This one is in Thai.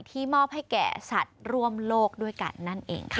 มอบให้แก่สัตว์ร่วมโลกด้วยกันนั่นเองค่ะ